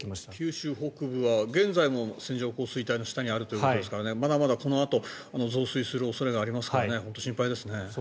九州北部は現在も線状降水帯の下にあるということなのでまだまだこれからも増水する恐れがありますからね